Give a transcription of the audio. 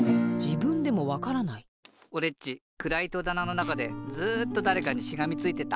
おれっちくらいとだなのなかでずっとだれかにしがみついてた。